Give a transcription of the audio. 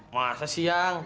masa sih yang